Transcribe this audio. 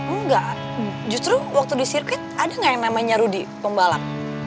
enggak justru waktu di sirkuit ada nggak yang namanya rudy pembalap